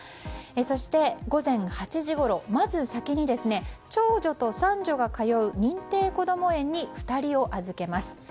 そして、午前８時ごろまず先に、長女と三女が通う認定こども園に２人を預けます。